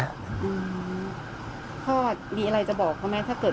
อืมพ่อมีอะไรจะบอกเขาไหมถ้าเกิด